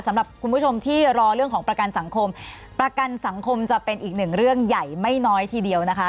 สำหรับคุณผู้ชมที่รอเรื่องของประกันสังคมประกันสังคมจะเป็นอีกหนึ่งเรื่องใหญ่ไม่น้อยทีเดียวนะคะ